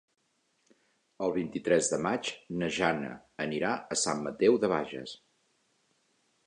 El vint-i-tres de maig na Jana anirà a Sant Mateu de Bages.